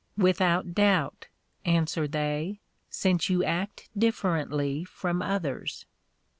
"Without doubt," answer they, "since you act differently from others."